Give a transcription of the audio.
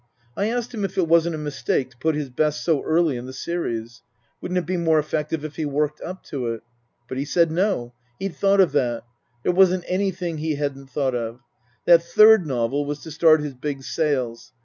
I asked him if it wasn't a mistake to put his best so early in the series ? Wouldn't it be more effective if he worked up to it ? But he said No. He'd thought of that. There wasn't anything he hadn't thought of. That third novel was to start his big sales.